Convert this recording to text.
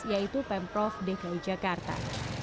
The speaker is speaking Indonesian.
yaitu pemprov dki jakarta